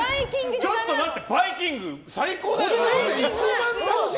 ちょっと待ってバイキング最高じゃない？